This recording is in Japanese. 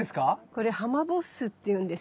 これハマボッスっていうんです。